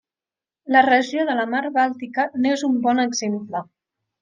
La regió de la Mar Bàltica n'és un bon exemple.